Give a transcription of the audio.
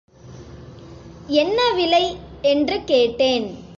என்னவிலை? என்று கேட்டேன்.